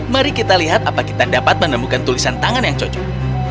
mari kita lihat apa kita dapat menemukan tulisan tangan yang cocok